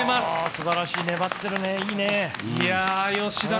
素晴らしいね、粘ってるね、いいね。